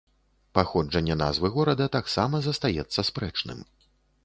Паходжанне назвы горада таксама застаецца спрэчным.